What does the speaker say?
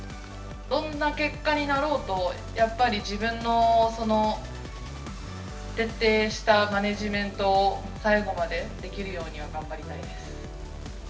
どんな結果になろうと、やっぱり、自分の徹底したマネジメントを最後までできるようには頑張りたいです。